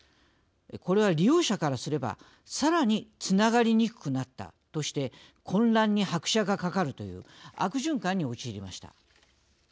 これは利用者からすれば、さらにつながりにくくなったとして混乱に拍車がかかるという悪循環に陥りました。